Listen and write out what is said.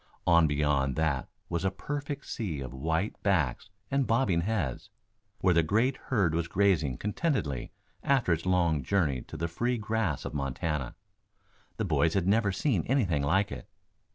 On beyond that was a perfect sea of white backs and bobbing heads, where the great herd was grazing contentedly after its long journey to the free grass of Montana. The boys had never seen anything like it.